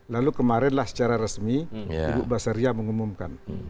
lalu kemarin lah secara resmi ibu basaria mengumumkan